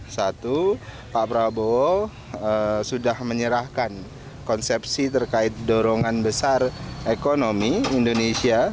satu pak prabowo sudah menyerahkan konsepsi terkait dorongan besar ekonomi indonesia